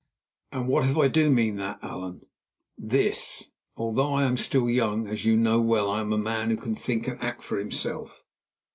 "And what if I do mean that, Allan?" "This: although I am still young, as you know well I am a man who can think and act for himself.